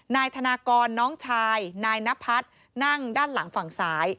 นายธนากรน้องชายนายนพัฒน์นั่งด้านหลังฝั่งซ้าย